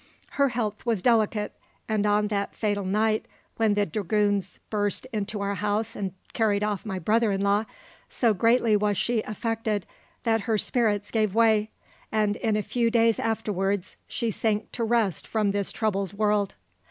Her health was delicate, and on that fatal night when the dragoons burst into our house and carried off my brother in law, so greatly was she affected that her spirits gave way, and in a few days afterwards she sank to rest from this troubled world.